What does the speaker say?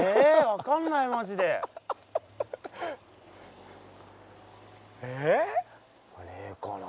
え分かんないマジでえっ何かねえかな